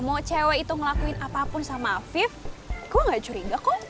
mau cewek itu ngelakuin apapun sama afif gue gak curiga kok